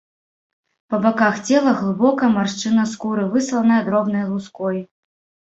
Па баках цела глыбокая маршчына скуры, высланая дробнай луской.